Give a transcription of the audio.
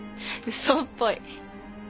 嘘っぽい。